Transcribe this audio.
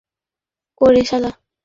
সবসময়ই কিছু না কিছু করে ঝামেলা করে, শালা।